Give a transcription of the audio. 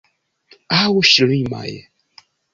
Aŭ ŝlimaj.